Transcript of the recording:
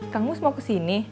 kang mus mau kesini